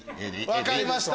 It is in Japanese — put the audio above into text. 分かりました！